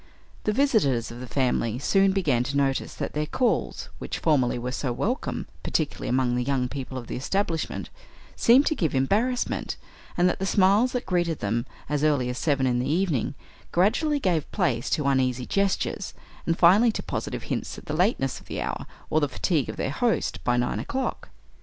The visitors of the family soon began to notice that their calls, which formerly were so welcome, particularly among the young people of the establishment, seemed to give embarrassment, and that the smiles that greeted them, as early as seven in the evening gradually gave place to uneasy gestures, and, finally to positive hints at the lateness of the hour, or the fatigue of their host by nine o'clock.